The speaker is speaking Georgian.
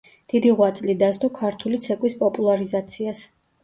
დიდი ღვაწლი დასდო ქართული ცეკვის პოპულარიზაციას.